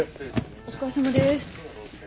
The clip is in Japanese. お疲れさまです。